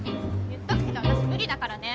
言っとくけど私無理だからね。